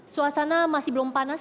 suasana masih belum panas